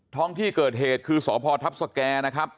ท้องที่เกิดเหตุคือสพทัพสแก่นะครับ